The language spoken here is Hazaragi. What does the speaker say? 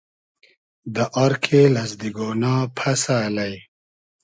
دۂ آر کېل از دیگۉنا پئسۂ الݷ